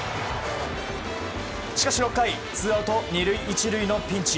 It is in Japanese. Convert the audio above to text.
しかし、６回ツーアウト２塁１塁のピンチ。